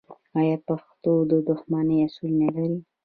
آیا پښتون د دښمنۍ اصول نلري؟